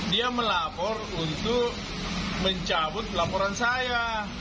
dia melapor untuk mencabut laporan saya